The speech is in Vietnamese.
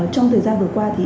trong thời gian vừa qua thì